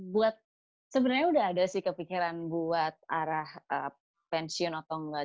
buat sebenarnya udah ada sih kepikiran buat arah pensiun atau enggak